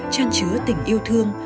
trang trứa tình yêu thương